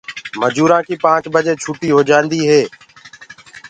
مجورآنٚ ڪيٚ پآنٚچ بجي ڇُوٽيٚ هوجآنٚديٚ هي